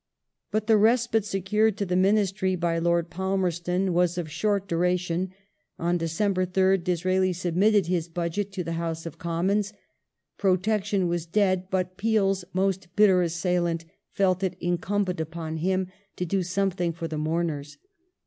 But the respite secured to the Ministry by Lord Palmerston was of 212 GREAT BRITAIN AND CONTINENTAL POLITICS [1846 short duration. On December 3rd Disraeli submitted his Budget to the House of Commons. Protection was dead, but Peel's most bitter assailant felt it incumbent upon him to do something for the moumei s.